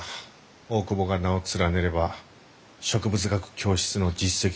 大窪が名を連ねれば植物学教室の実績ともなるぞ。